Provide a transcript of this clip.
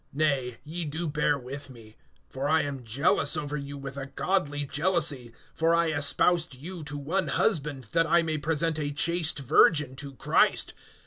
Nay, ye do bear with me. (2)For I am jealous over you with a godly jealousy; for I espoused you to one husband, that I may present a chaste virgin to Christ.